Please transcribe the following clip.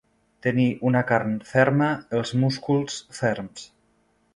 Tenir una carn ferma, els músculs ferms.